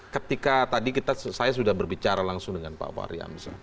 ketika tadi saya sudah berbicara langsung dengan pak fahri hamzah